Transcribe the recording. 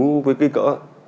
đúng với kích cỡ